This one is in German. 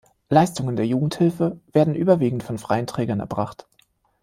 Leistungen der Jugendhilfe werden überwiegend von "freien Trägern" erbracht.